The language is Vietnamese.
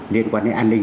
liên quan đến an ninh